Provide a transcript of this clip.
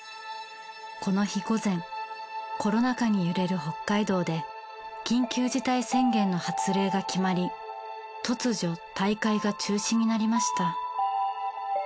この日午前コロナ禍に揺れる北海道で緊急事態宣言の発令が決まり突如更に。